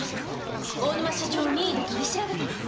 大沼社長を任意で取り調べたら？